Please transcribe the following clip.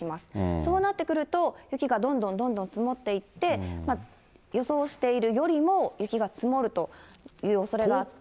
そうなってくると、雪がどんどんどんどん積もっていって、予想しているよりも雪が積もるというおそれがあって。